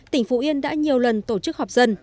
tỉnh phú yên đã nhiều lần tổ chức họp dân